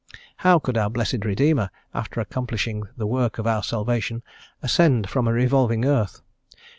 How could our blessed Redeemer, after accomplishing the work of our salvation, ascend from a revolving earth?